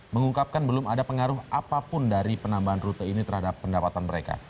mengungkapkan belum ada pengaruh apapun dari penambahan rute ini terhadap pendapatan mereka